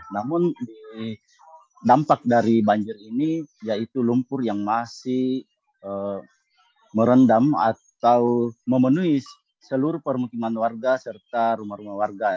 namun dampak dari banjir ini yaitu lumpur yang masih merendam atau memenuhi seluruh permukiman warga serta rumah rumah warga